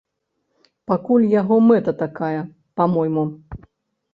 Пакуль яго мэта такая, па-мойму.